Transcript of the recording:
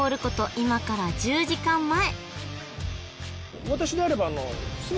今から１０時間前あ